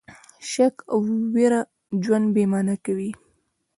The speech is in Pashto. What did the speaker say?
شک او ویره ژوند بې مانا کوي.